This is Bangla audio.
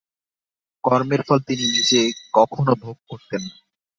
কর্মের ফল তিনি নিজে কখনও ভোগ করতেন না।